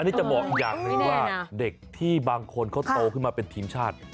อันนี้จะบอกอีกอย่างหนึ่งว่าเด็กที่บางคนเขาโตขึ้นมาเป็นทีมชาติ